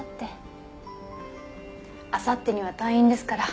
あさってには退院ですから。